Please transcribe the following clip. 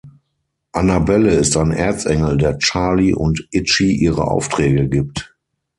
Annabelle ist ein Erzengel, der Charlie und Itchy ihre Aufträge gibt.